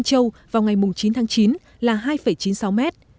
tân châu vào ngày chín tháng chín là hai chín mươi sáu mét